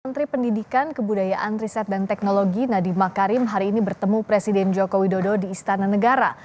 menteri pendidikan kebudayaan riset dan teknologi nadiem makarim hari ini bertemu presiden joko widodo di istana negara